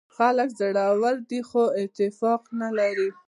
خلک زړور دي خو اتفاق نه لري.